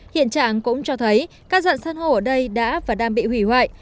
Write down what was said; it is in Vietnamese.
hiện trạng cũng cho thấy các dạng san hô ở đây đã và đang bị hủy hoại